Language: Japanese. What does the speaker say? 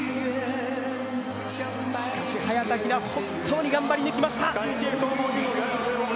しかし、早田ひな、本当に頑張り抜きました。